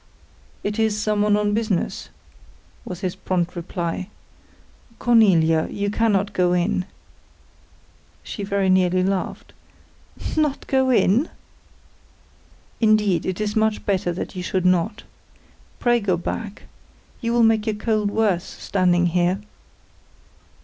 "It is some one on business," was his prompt reply. "Cornelia, you cannot go in." She very nearly laughed. "Not go in?" "Indeed it is much better that you should not. Pray go back. You will make your cold worse, standing here.